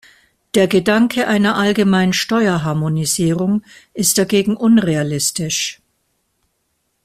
Der Gedanke einer allgemeinen Steuerharmonisierung ist dagegen unrealistisch.